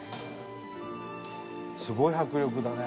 すごい迫力だね。